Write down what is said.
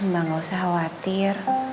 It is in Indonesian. mbak gak usah khawatir